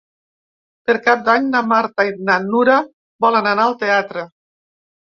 Per Cap d'Any na Marta i na Nura volen anar al teatre.